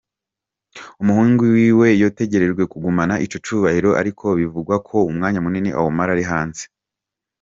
Umuhungu wiwe yotegerejwe kugumana ico cubahiro ariko bivugwa ko umwanya munini awumara ari hanze.